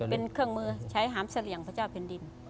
เป็นเครื่องมือใช้หามเสลี่ยงพระเจ้าแผ่นดิน